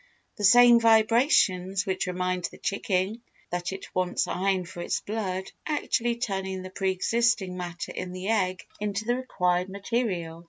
The same vibrations which remind the chicken that it wants iron for its blood actually turn the pre existing matter in the egg into the required material.